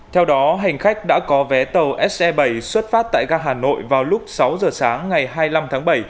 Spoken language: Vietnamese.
theo đó hành khách đã có vé tàu se bảy xuất phát tại ga hà nội vào lúc sáu giờ sáng ngày hai mươi năm tháng bảy